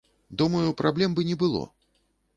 Думаю, праблем бы не было.